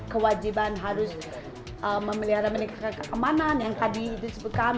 kewajiban harus memelihara keamanan yang tadi disebutkan